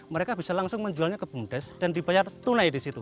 mereka bisa langsung menjualnya ke bumdes dan dibayar tunai di situ